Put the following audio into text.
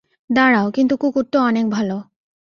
দাঁড়াও, কিন্তু কুকুর তো অনেক ভালো।